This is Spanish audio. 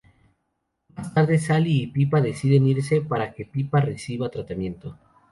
Más tarde Sally y Pippa deciden irse para que Pippa reciba tratamiento.